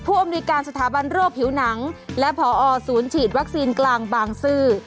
อำนวยการสถาบันโรคผิวหนังและพอศูนย์ฉีดวัคซีนกลางบางซื่อ